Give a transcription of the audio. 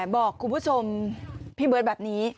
บอกคุณผู้ชมพี่เบิร์ตแบบนี้